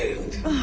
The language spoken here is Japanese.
あ！